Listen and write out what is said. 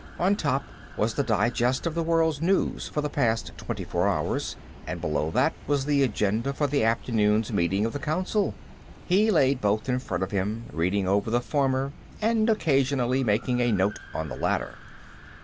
On top was the digest of the world's news for the past twenty four hours, and below that was the agenda for the afternoon's meeting of the Council. He laid both in front of him, reading over the former and occasionally making a note on the latter.